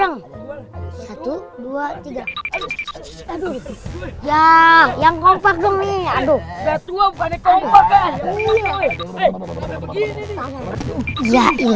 eh lobo kejar